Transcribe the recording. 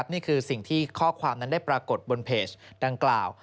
นี่คือสิ่งที่ข้อความนั้นได้ปรากฏบนเพจดังกล่าว